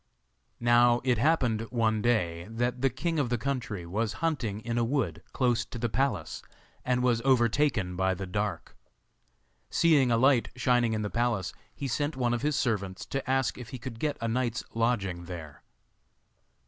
Now, it happened, one day, that the king of the country was hunting in a wood close to the palace, and was overtaken by the dark. Seeing a light shining in the palace he sent one of his servants to ask if he could get a night's lodging there.